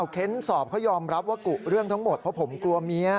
เค้นสอบเขายอมรับว่ากุเรื่องทั้งหมดเพราะผมกลัวเมีย